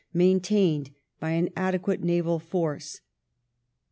maintained by an adequate naval force.